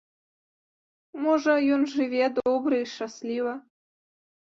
Можа, ён жыве добра і шчасліва.